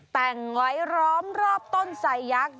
แต่งไว้ร้อมรอบต้นไซยักษ์